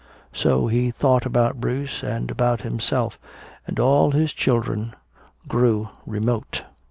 So he thought about Bruce and about himself, and all his children grew remote.